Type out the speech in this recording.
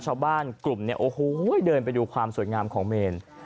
ชาวบ้านกลุ่มเดินไปดูความสวยงามของเมน